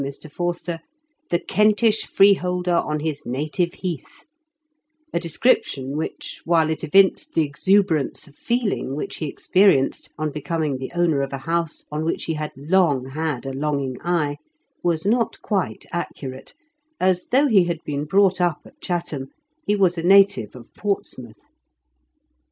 23 Mr. Forster, "the Kentish freeholder on his native heath," a description which, while it evinced the exuberance of feeling which he experienced on becoming the owner of a house on which he had long had a longing eye, was not quite accurate, as, though he had been brought up at Chatham, he was a native of Portsmouth.